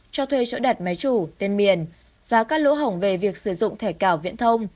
cho thuê chỗ đặt máy chủ tiên miền và các lỗ hổng về việc sử dụng thẻ cào viễn thông